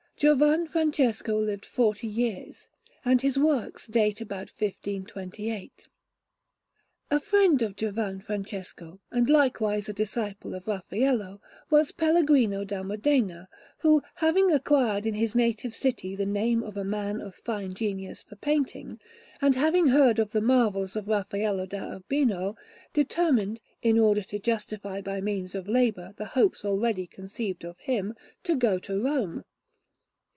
Giovan Francesco lived forty years, and his works date about 1528. A friend of Giovan Francesco, and likewise a disciple of Raffaello, was Pellegrino da Modena, who, having acquired in his native city the name of a man of fine genius for painting, and having heard of the marvels of Raffaello da Urbino, determined, in order to justify by means of labour the hopes already conceived of him, to go to Rome.